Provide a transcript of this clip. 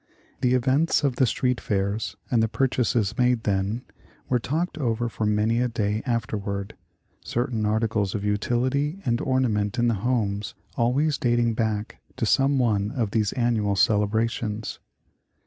The events of the street fairs, and the purchases made then, were talked over for many a day afterward, certain articles of utility and orna ment in the homes always dating back to some one of these annual celebrations.